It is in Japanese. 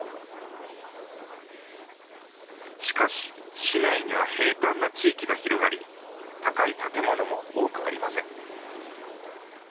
しかし、市内には平坦な地域が広がり高い建物も多くありません。